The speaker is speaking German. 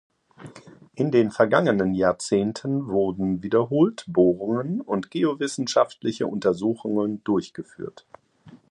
In den vergangenen Jahrzehnten wurden wiederholt Bohrungen und geowissenschaftliche Untersuchungen durchgeführt.